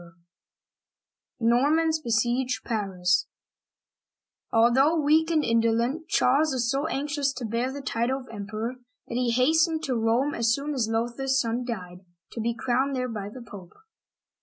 THE NORMANS BESIEGE PARIS ALTHOUGH weak and indolent, Charles was so anx ious to bear the title of Emperor that he hastened to Rome as soon as Lothair*s son died, to be crowned there by the Pope.